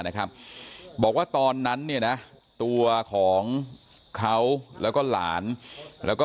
นะครับบอกว่าตอนนั้นเนี่ยนะตัวของเขาแล้วก็หลานแล้วก็